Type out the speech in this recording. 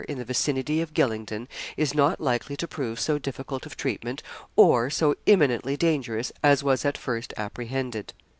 in the vicinity of Gylingden, is not likely to prove so difficult of treatment or so imminently dangerous as was at first apprehended.